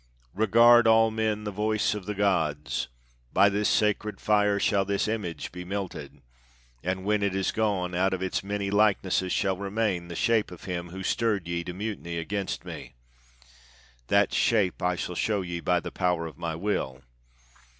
"Regard all men the voice of the gods! By this sacred fire shall this image be melted; and when it is gone, out of its many likenesses shall remain the shape of him who stirred ye to mutiny against me. That shape I shall show ye by the power of my will.